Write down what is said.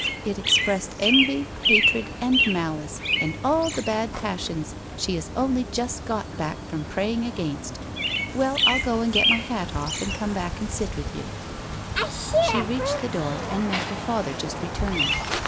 It expressed envy, hatred and malice and all the bad passions she has only just got back from pray ing against. Well, I'll go and get my hat off and come back and sit with you/ She reached the door, and met her father just returning.